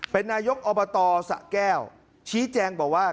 เป็นนายกอบตสะแก้วชี้แจงบอกว่า